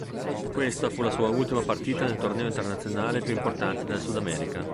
Questa fu la sua ultima partita nel torneo internazionale più importante del Sudamerica.